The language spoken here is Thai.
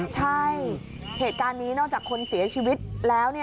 ใช่เหตุการณ์นี้นอกจากคนเสียชีวิตแล้ว